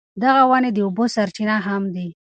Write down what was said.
دغه ونې د اوبو سرچینه هم دي.